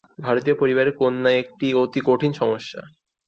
ভারতীয় পরিবারে কন্যা একটি অতি কঠিন সমস্যা।